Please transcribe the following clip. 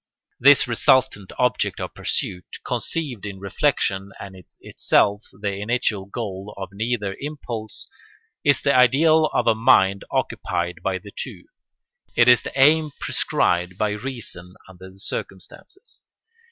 This resultant object of pursuit, conceived in reflection and in itself the initial goal of neither impulse, is the ideal of a mind occupied by the two: it is the aim prescribed by reason under the circumstances.